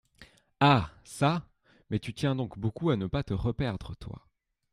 Ah ! ça ! mais tu tiens donc beaucoup à ne pas te reperdre, toi ?